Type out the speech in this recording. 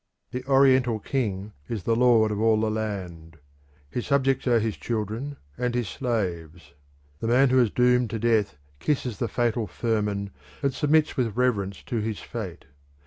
The Oriental king is the lord of all the land; his subjects are his children and his slaves. The man who is doomed to death kisses the fatal firman and submits with reverence to his fate.